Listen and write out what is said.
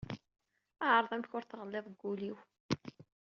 Ɛreḍ amek ur tɣelliḍ deg ul-iw.